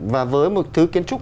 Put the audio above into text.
và với một thứ kiến trúc